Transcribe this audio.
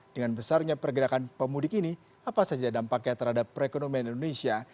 dengan besarnya pergerakan pemudik ini apa saja dampaknya terhadap perekonomian indonesia